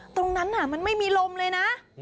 ตรงนั้นมันไม่มีลมเลยนะ